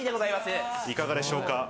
いかがでしょうか？